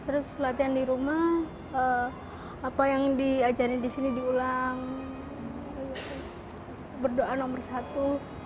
terus latihan di rumah apa yang diajarin di sini diulang berdoa nomor satu